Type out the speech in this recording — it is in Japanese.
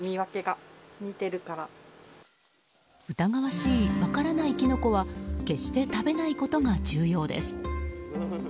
疑わしい、分からないキノコは決して食べないことが重要です。